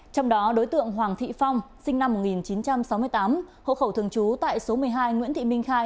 trong đó đối tượng hoàng thị phong sinh năm một nghìn chín trăm sáu mươi tám hộ khẩu thường trú tại số một mươi hai nguyễn thị minh khai